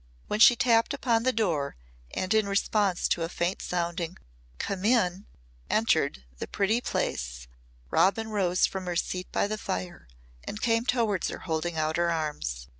When she tapped upon the door and in response to a faint sounding "Come in" entered the pretty place, Robin rose from her seat by the fire and came towards her holding out her arms.